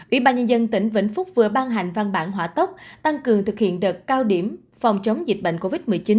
ủy ban nhân dân tỉnh vĩnh phúc vừa ban hành văn bản hỏa tốc tăng cường thực hiện đợt cao điểm phòng chống dịch bệnh covid một mươi chín